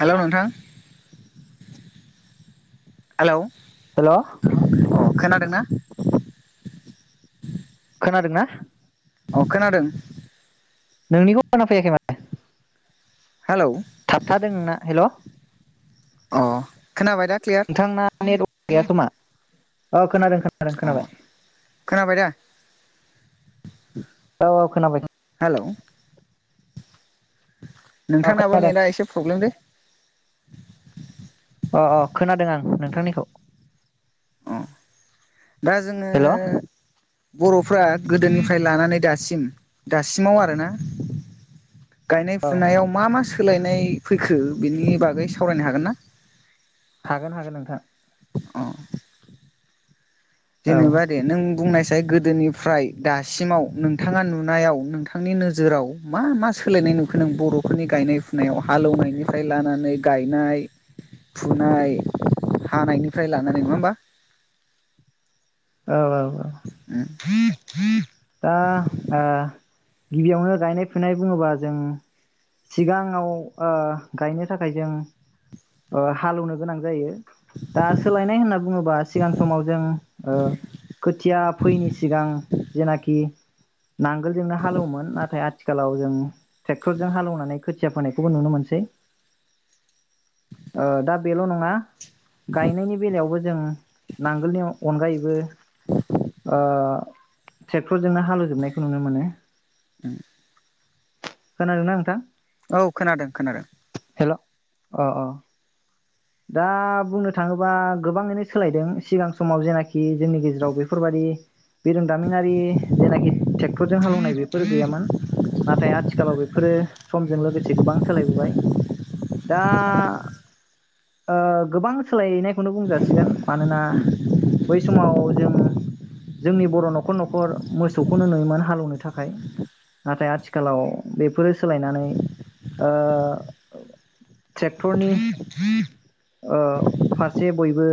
Hello नोंथां hello हेल दोंना खोनादोंना अ खोनादों। नोंनिखौ खाना फैयाखै माने हेलौ थाबथादों नोंना हेल' अ खोनाबाय दा क्लियार? नोंथांना नेटवर्क गैया खोमा ओ खोनादों खोनादों अ खोनाबाय। खोनाबाय दा [inaudible] औ औ खोनाबाय। हेल' औ नोंथांनाबो खोनादों नेटआ एसे प्रब्लेम दे अ अ खोनादों आं नोंथांनिखौ। अ दा जोङो हेल' औ बर'फ्रा गोदोनिफ्राय लानानै दासिम सिम दासिमाव आरोना गायनाय फुनायाव मा मा सो सोलायनाय फैखो बेनि बागै सावरायनो हागोन ना? हागोन हागोन नोंथां अ औ जेनेबा दे नों बुंनाय जाय‌ गोदोनिफ्राय दासिमाव नोंथाङा नुनायाव नोंथांनि नोजोराव मा मा सोलायनाय नुखो नों बरफोरनि गायनाय फुनायाव हालौनायनिफ्राय लानानै गायनाय फुनाय हानायनिफ्राय लानानै नङा होमबा? औ औ दा ओ गिबियावनो गायनाय फुनाय बुङोबा जों सिगाङाव ओ गायनो थाखाय जों ओ हालौवनो गोनां जायो दा सोलायनाय होनना बुङोब्ला सिगां समाव जों ओ खोथिया फैयैनि सिगां जेनाखि नांगोलजोंनो हालौवोमोन नाथाय आथिखालाव जों ट्रेक्टरजों हालौनानै खोथिया फोनायखौबो नुनो मोनसै दा ओ बेल' नङा गायनायनि बेलायावबो जों नांगोलनियाव अनगायैबो ओ ट्रेक्टरजोंनो हालौजोबनायखौ नुनो मोनो। उम खोनादोंना नोंथां? औ खोनादों खोनादों। हेल' अ अ दा बुंनो थाङोबा गोबाङैनो सोलायदों सिगां समाव जेनाखि जोंनि गेजेराव बेफोरबायादि बिरोंदामिनारि जेनाखि ट्रेक्टरजों हालौवनाय बेफोर गैयामोन नाथाय आथिखालाव बेफोरो समजों लोगोसे गोबां सोलायबोबाय दा ओ गोबां सोलायनायखौनो बुंजासिगोन मानोना बै समाव जों जोंनि बर' न'खर न'खर मोसौखौनो नुयोमोन हालौनो थाखाय नाथाय आथिखालाव बेफोरो सोलायनानै ओ ट्रेक्टरनि ओ फारसे बयबो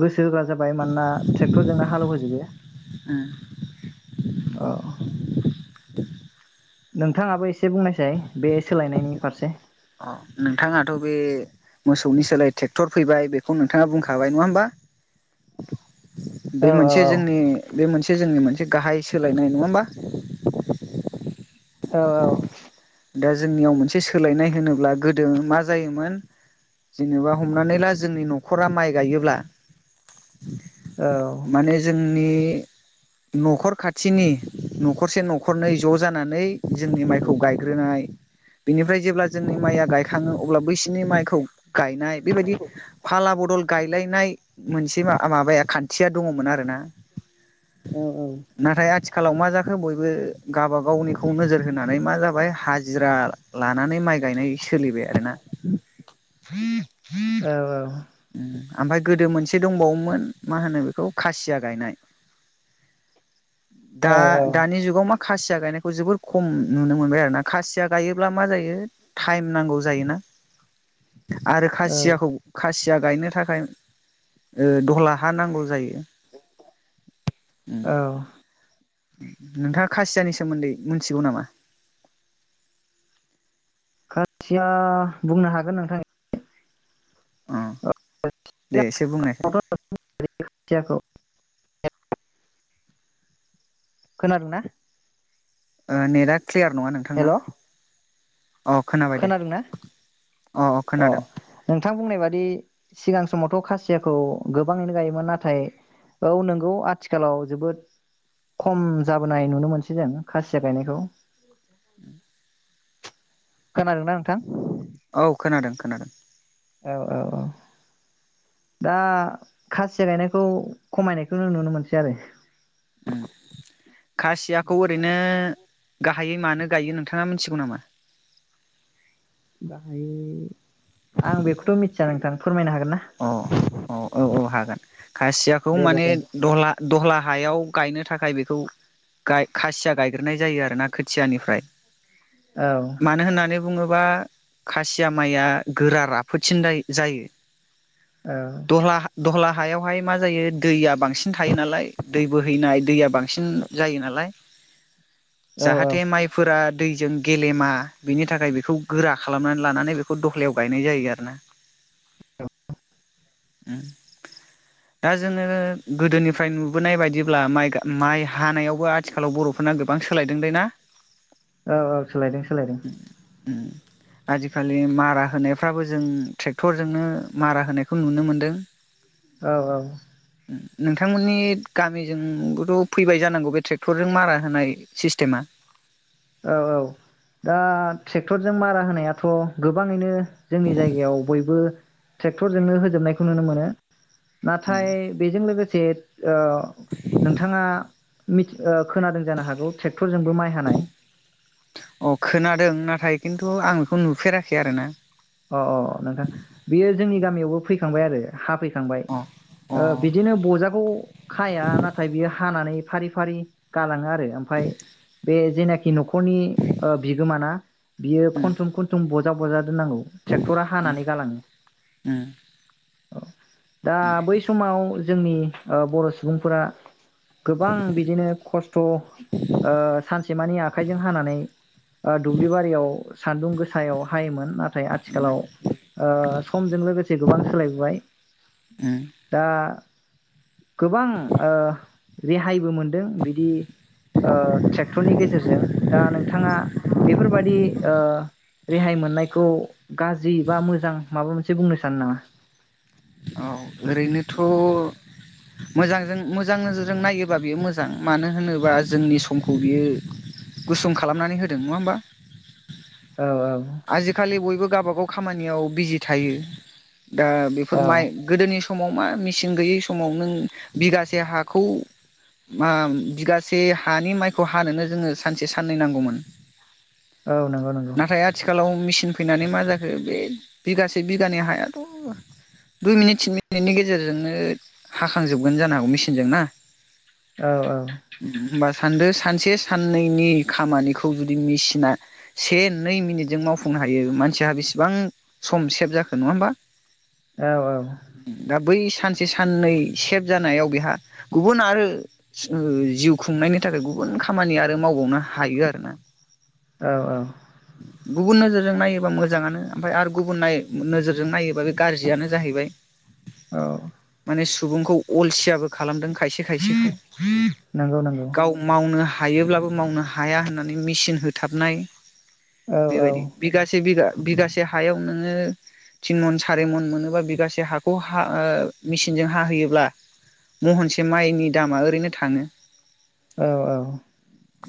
गोसो होग्रा जाबाय मानोना ट्रेक्टरजोंनो हालौहोजोबो। उम औ नोंथाङाबो एसे बुंनायसाय बे सोलायनायनि फारसे अ नोंथाङाथ' बे मोसौनि सोलाय ट्रेक्टर फैबाय बेखौ नोंथाङा बुंखाबाय नङा होमबा? बे औ मोनसे जोंनि बे मोनसे जोंनि मोनसे एसे गाहाय सोलायनाय नङा होमबा औ औ दा जोंनियाव मोनसे सोलायनाय होनोब्ला गोदो मा जायोमोन जेनेबा हमनानै ला जोंनि नखरा माइ गायोब्ला माने जोंनि न'खर खाथिनि न'खरसे न'खरनै ज' जानानै जोंनि माइखौ गाय ग्रोनाय बेनिफ्राय जेब्ला जोंनि माइया गायखाङो अब्ला बैसोरनि माइखौ गायनाय बेबायदि फाला बदल गायलायनाय मोनसे माबाया खान्थिया दङमोन आरोना औ औ खालाव मा जाखो बयबो गावबागावनिखौ नोजोर होनानै मा जाबाय हाजिरा लानानै माइ गायनाय सोलिबाय आरो ना औ औ ओमफाय गोदो मोनसे दंबावोमोन मा होनो बेखौ खासिया गायनाय दा औ दानि जुगाव मा खासिया गायनायखौ जोबोर खम नुनो मोनबाय आरो ना खासिया गायोब्ला मा जायो टाइम नांगौ जायोना आरो औ खासियाखौ खासिया गायनो थाखाय दहला हा नांगौ जायो उम औ नोंथाङा खासियानि सोमोन्दै मिथिगौ नामा? खायसिया बुंनो हागोन नोंथां अ दे एसे बुंनायसाय [unintelligible] खोनादों ना? ओ नेथ आ क्लियार नङा नोंथांना अ खोनाबाय दे खोनादोंना अ अ खोनादों नोंथां बुंनाय बादि सिगां समावथ' खासि खासियाखौ गोबाङैनो गायोमोन नाथाय औ नोंगौ आथिखालाव जोबोद खम जाबोनाय नुनो मोनसै जों खासिया गायनायखौ [inaudible] खोनादों ना नोंथां? औ खोनादों खोनादों औ औ औ दा खासिया गायनायखौ खमायनायखौ नों नुनो मोनसै आरो खासियाखौ ओरैनो गाहायै मानो गायो नोंथाङा मिथिगौ नामा? बाहाय आं बेखौथ' मिथि थिया नोंथां फोरमायनो हागोन ना अ औ औ औ हागोन खासियाखौ दे दे माने बुं दहला दहला हायाव गायनो थाखाय बेखौ खासिया गायग्रोनाय जायो आरोना खोथियानिफ्राय औ मानो होननानै बुङोबा? खासिया माइया गोरा राफोदसिन जायो। औ दहला दहला हायावहाय मा जायो दैया बांसिन थायो नालाय दै बोहैनाय दैया बांसिन जायो नालाय औ औ जाहाथे माइफोरा दैजों गेलेमा बिनि थाखाय बेखौ गोरा खालामनानै लानानै बेखौ दहलायाव गायनाय जायो आरोना। औ दा जोङो गोदोनिफ्राय नुबोनाय बायदिब्ला माइ हानायावबो आथिखालाव बर'फोरना गोबां सोलायदों दै ना? औ औ सोलायदों सोलायदों। उम आजिखालि मारा होनायफ्राबो जों ट्रेक्टरजोंनो मारा होनायखौ नुनो मोनदों। औ औ नोंथांमोननि गामिजोंबोथ' फैबाय जानांगौ बे ट्रेक्टरजों मारा होनाय सिस्टेमा। औ औ दा ट्रेक्टरजों मारा होनायाथ' गोबाङैनो जोंनि जायगायाव बयबो ट्रेक्टरजोंनो होजोबनायखौ नुनो मोनो। उम नाथाय बेजों लोगोसे [unintelligible] ओ नोंथाङा खोनादों जानो हागौ ट्रेक्टरजोंबो माइ हानाय। अ खोनादों नाथाय खिन्थु आं बेखौ नुफेराखै आरोना। अ खांबाय आरो हाफै खांबाय अ अ बिदिनो बजाखौ खाया नाथाय बियो हानानै फारि फारि गालाङो आरो आरो ओमफ्राय बे जेनाखि न'खर खरनि बिगोमाना? बियो उम खन्थुम खुन्थुम बजा बजा दोननांगौ। ट्रेक्टरा हानानै गालांङो। उम औ दा बै समाव जोंनि ओ बर' सुबुंफोरा गोबां बिदिनो खस्थ' ओ सानसेमानि आखाइजों हानानै दुब्लि बारियाव सान्दुं गोसायाव हायोमोन ना उम आथिखालाव ओ समजों लोगोसे गोबां सोलायबोबाय उम दा गोबां ओ रेहायबो मोनदों बिदि ओ ट्रेक्टरनि गेजेरजों दा नोंथाङा बेफोरबादि ओ रेहाय मोननायखौ गाज्रि बा मोजां माबा मोनसे बुंनो सानो नामा? औ ओरैनोथ' मोजांजों मोजां नोजोरजों नायोबा बियो मोजां मानो होनोबा जोंनि समखौ बियो गुसुं खालामनानै होदों नङा होमबा औ औ आजिखालि बयबो गावब गाव खामानियाव बिजि थायो दा फोरमाय औ गोदोनि समाव आं मेचेन गैयै समाव नों बिगासे हाखौ बिगासे आ हानि माइखौ हानोनो जोंङो सानसे साननै नांगौमोन औ नंगौ नंगौ नाथाय आथिखालाव मेचिन फैनानै मा जाखो बे बिगसे बिगानि हायाथ' दुइ मिनिट थिन मिनिटनि गेजेरजोंनो हाखांजोबगोन जानो हागौ मेसिनजों ना औ औ होमबा सानदो सानसे साननैनि खामानिखौ जुदि मेसिना से नै मिनिटजों मावफुंनो हायो मानसिया बेसेबां सम सेब जाखो नंङा होमबा औ औ दा बै सानसे साननै सेभ जानायाव बेहा गुबुन आरो सो जिउ खुंनायनि थाखाय गुबुन खामानि आरो मावबावनो हायो आरोना औ गुबुन नोजोरजों नायोबा मोजांङानो ओमफाय आरो गुबुन नाय नोजोरजों नायोबा बे गा जाहैबाय औ माने सुबुंखौ अलसियाबो खालामदों खायसे खायसेखौ [unintelligible] नंगौ नंगौ गाव मावनो हायोब्लाबो मावनो हाया होननानै मिसिन होथाबनाय औ औ बेबायदि बिगासे बिगा बिगासे हायाव नोंङो थिन मन सारि मन मोनोबा बिगासे हाखौ हा ओ मिसिनजों हाहोयोब्ला महनसे माइनि दामा ओरैनो थांङो औ औ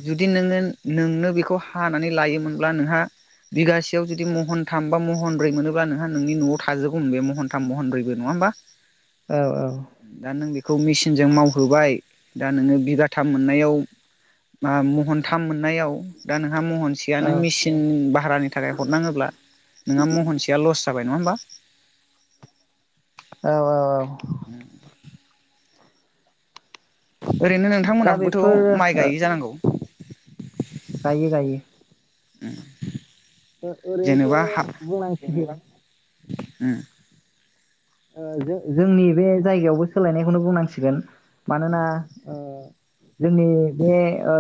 जुदि नोंङो नोंनो बेखौ हानानै लायोमोनब्ला नोंहा बिगासेयाव जुदि महनथाम बा महनब्रै मोनोब्ला नोंहा नोंनि नआव थाजोबगौमोन बे महन थाम महनब्रैबो नंङा होनबा औ औ खौ मेसिनजों मावहोबाय दा नोंङो बिगाथाम मोननायाव मा महनथाम मोन नायाव दा नोंहा महनसेया नों मेसिन भारानि थाखाय हरनांङोब्ला नोंहा महनसेया लस जाबाय नंङा होमबा औ औ औ उम ओरैनो दा नोंथांमोनहाबोथ बेफोर माइ ओ गायै जानांगौ गायो गायो उम ओरैनोथ बुंनांसिगोन उम ओ जो जोंनि बे जायगायावबो सोलायनायखौनो बुंनांसिगोन मानोना ओ जोंनि बे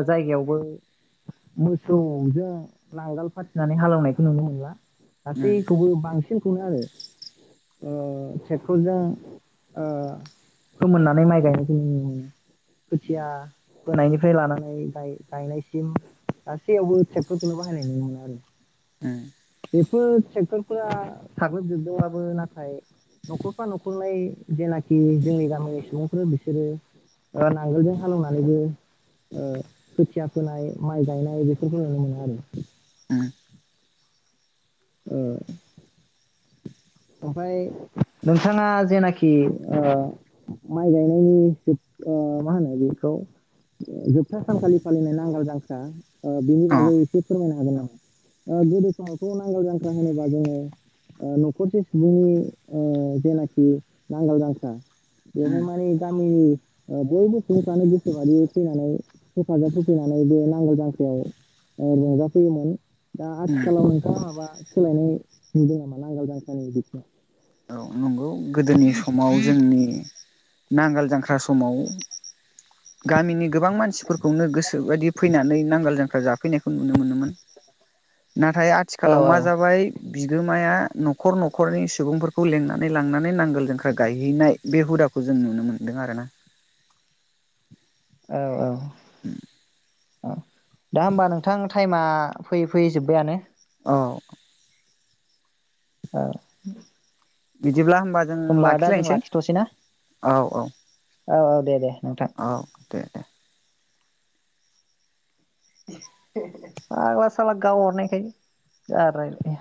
जायगायावबो मोसौजों नांगोल फाथिनानै हालनायखौ नुनो मोनला गासैखौबो बां [unintelligible] खौनो आरो ट्रेक्टरजों ओ फोमोननानै माइ गायनायखौ नुनो मोनो उम खोथिया फोनायनिफ्राय लानानै गाय गायनायसिम गासैयावबो ट्रेक्टरखौल' बाहायनाय नु मोना आरो ओम बेफोर ट्रेक्टरफोरा साग्लोबजोबदोंबाबो नाथाय न'खरफा न'खरनाय जेनाखि जोंनि गामिनि सुबुंफोर बिसोरो नांगोलजों हालेवनानैबो ओ सुथिया फोनाय माइ गायनाय बेफोरखौ नुनो मोनो आरो उम ओ ओमफ्राय नोंथाङा जेनाखि ओ माइ गायनायनि ओ मा होनो बेखौ जोबथा सानखालि फालिनाय नांगोल जांख्रा ओ बिनि अ बागै एसे फोरमायनोहागोन नामा ओ गोदो समावखौ नांगाल जांख्रा होनोबा जोङो न'खरसे बुहुमनि जेनाखि नांगाल जांख्रा बेहाय उम माने दामि ओ बयबो सुबुंफ्रानो गोसोबायदियै फैनानै हेफाजाब होफैनानै बे हाल जांख्रायाव रंजाफैयोमोन दा उम आथिखालाव नोंथाङा माबा सोलायनाय नुदों नामा? नांगोल जांख्रानि बिथिं [unintelligible] औ नंगौ गोदोनि समाव जोंनि नांगाल जांख्रा समाव गामिनि गोबां मानसिफोरखौनो गोसोबायदि फैनानै नांगाल जांख्रा जाफैनायखौ नुनो मोनोमोन। नाथाय औ आथिखालाव मा औ जाबाय बिगोमाया न'खर न'खरनि सुबुंफोर खौ लेंनानै लांनानै नांगोल जांख्रा गायहैनाय बे हुदाखौ जों नुनो मोन्दों आरोना औ औ [inaudible] औ दा होमबा नोंथां टाइमा फैयै फैयै जोब्बायानो औ औ बिद बिदिब्ला होमबा जों दा जों लाखिलायनोसै लाखिथ'सै ना औ औ औ औ दे दे नोंथां औ दे दे‌ [unintelligible] आग्ला साला गावहरनायखाय जा रायलायो